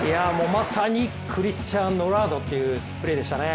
まさにクリスチアーノ・ロナウドというプレーでしたね。